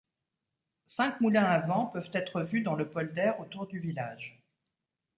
Cinq moulins à vent peuvent être vus dans le polder autour du village.